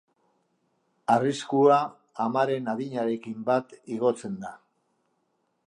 Arriskua amaren adinarekin bat igotzen da.